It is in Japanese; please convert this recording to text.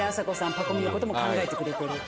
パコ美のことも考えてくれてる。